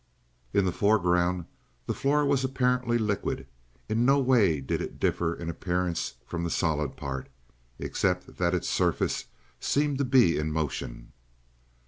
In the foreground the floor was apparently liquid. In no way did it differ in appearance from the solid part, except that its surface seemed to be in motion.